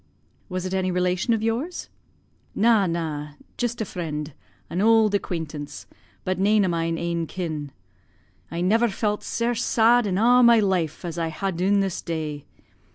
"Was it any relation of yours?" "Na, na, jist a freend, an auld acquaintance, but nane o' mine ain kin. I never felt sare sad in a' my life, as I ha' dune this day.